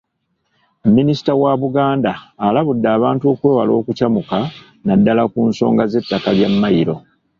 Minisita wa Buganda alabudde abantu okwewala okucamuka naddala ku nsonga z'ettaka lya Mayiro.